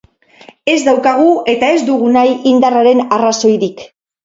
Ez daukagu eta ez dugu nahi indarraren arrazoirik.